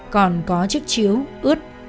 còn có chiếc chiếu ướt